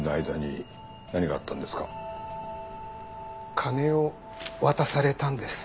金を渡されたんです。